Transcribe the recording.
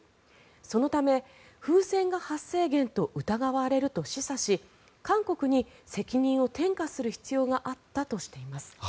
そのため、風船が発生源と疑われると示唆し韓国に責任を転嫁する必要があったとしています。